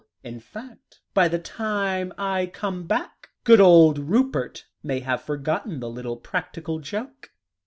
In fact, by the time I come back, good old Rupert may have forgotten the little practical joke."